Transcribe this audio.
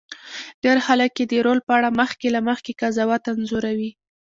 ډېر خلک یې د رول په اړه مخکې له مخکې قضاوت انځوروي.